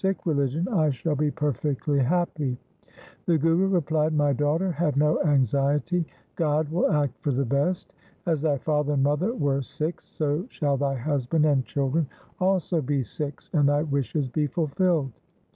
L2 148 THE SIKH RELIGION the Sikh religion, I shall be perfectly happy ' The Guru replied, ' My daughter, have no anxiety, God will act for the best. As thy father and mother were Sikhs, so shall thy husband and children also be Sikhs, and thy wishes be fulfilled.'